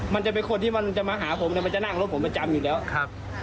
มันจะเป็นคนที่มันจะมาหาผมเนี่ยมันจะนั่งรถผมประจำอยู่แล้วครับ